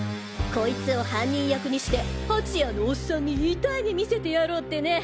こいつを犯人役にして蜂谷のオッサンに痛い目見せてやろうってね。